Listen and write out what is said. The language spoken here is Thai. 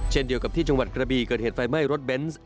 เช่นเดียวกับที่จังหวัดกระบีเกิดเหตุไฟไหม้รถเบนส์